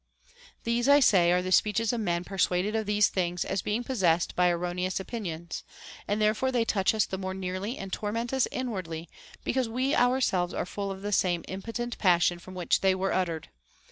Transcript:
t These, I say, are the speeches of men persuaded of these things, as being possessed by erroneous opinions ; and therefore they touch us the more nearly and torment us inwardly, because we ourselves are full of the same impo tent passion from which they were uttered.